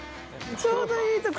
ちょうどいいところ。